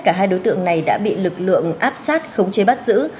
cả hai đối tượng này đã bị lực lượng áp sát khống chế bắt giữ